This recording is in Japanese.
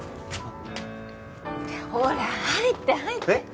ほら入って入って！